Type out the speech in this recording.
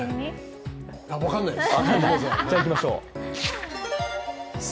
分かんないです。